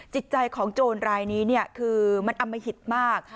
จิตใจของโจรรายนี้คือมันอมหิตมาก